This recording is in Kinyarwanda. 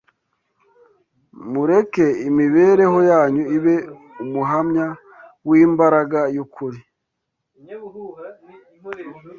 Mureke imibereho yanyu ibe umuhamya w’imbaraga y’ukuri